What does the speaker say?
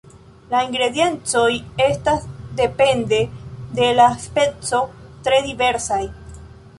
La ingrediencoj estas, depende de la speco, tre diversaj.